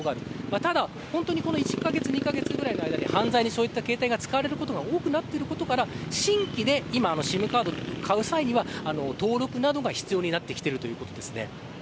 ただ、この１カ月、２カ月ぐらいの間で犯罪に、そういった携帯電話が使われることが多くなっているから新規でＳＩＭカードを買う際には登録などが必要になってきているということです。